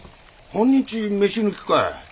半日飯抜きかい！？